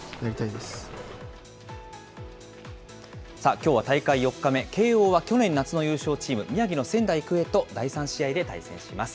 きょうは大会４日目、慶応は去年夏の優勝チーム、宮城の仙台育英と第３試合で対戦します。